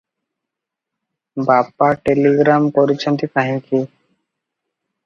ବାପା ଟେଲିଗ୍ରାମ କରିଚନ୍ତି କାହିଁକି?